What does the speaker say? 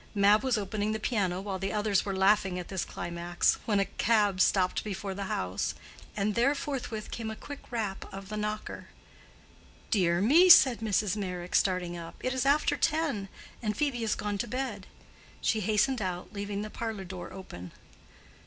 Mab was opening the piano while the others were laughing at this climax, when a cab stopped before the house, and there forthwith came a quick rap of the knocker. "Dear me!" said Mrs. Meyrick, starting up, "it is after ten, and Phœbe is gone to bed." She hastened out, leaving the parlor door open.